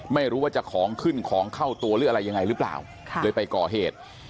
ไม่รู้ว่าจะของขึ้นของเข้าตัวหรืออะไรยังไงหรือเปล่าเลยไปก่อเหตุ